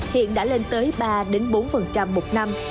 hiện đã lên tới ba bốn một năm